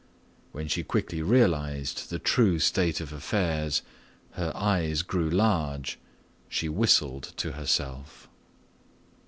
When she quickly realized the true state of affairs, her eyes grew large, she whistled to herself.